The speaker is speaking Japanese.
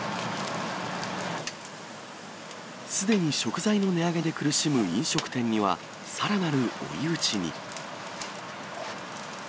すでに食材の値上げに苦しむ飲食店には、さらなる追い打ちに。